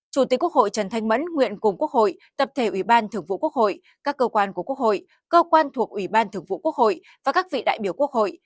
chủ tịch quốc hội trần thanh mẫn nguyện cùng quốc hội tập thể ủy ban thường vụ quốc hội các cơ quan của quốc hội cơ quan thuộc ủy ban thường vụ quốc hội và các vị đại biểu quốc hội